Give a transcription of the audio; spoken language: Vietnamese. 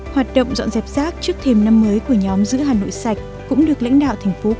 hoạt động dọn dẹp rác trước thêm năm mới của nhóm giữ hà nội sạch cũng được lãnh đạo thành phố